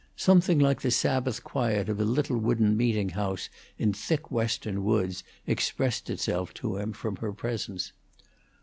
Something like the Sabbath quiet of a little wooden meeting house in thick Western woods expressed itself to him from her presence.